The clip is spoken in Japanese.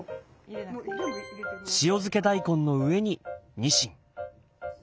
塩漬け大根の上にニシン。